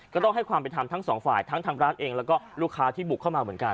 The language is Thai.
ก็ต้องให้ความเป็นธรรมทั้งสองฝ่ายทั้งทางร้านเองแล้วก็ลูกค้าที่บุกเข้ามาเหมือนกัน